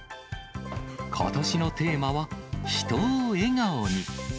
ことしのテーマは、人を笑顔に。